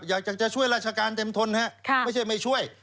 อยากจะช่วยราชการเต็มทนฮะไม่ใช่ไม่ช่วย